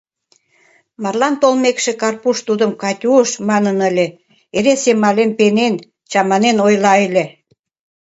Марлан толмекше, Карпуш тудым «Катюш» манын ыле, эре семален, пенен, чаманен ойла ыле.